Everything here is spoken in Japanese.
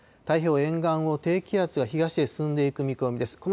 太平洋沿岸を低気圧が東へ進んでいく見込みです。